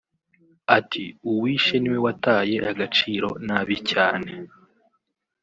Ati “Uwishe ni we wataye agaciro nabi cyane